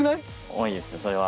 重いですねそれは。